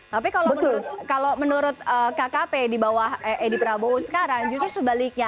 tapi kalau menurut kkp di bawah edi prabowo sekarang justru sebaliknya